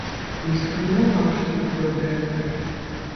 І сфармуляваў, што такое дырэктар.